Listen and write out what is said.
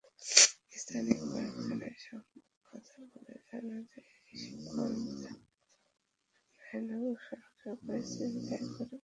স্থানীয় কয়েকজনের সঙ্গে কথা বলে জানা যায়, শিবগঞ্জ-ধাইনগর সড়কে প্রায়ই ছিনতাইয়ের ঘটনা ঘটে।